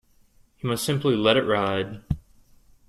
He must simply let it ride.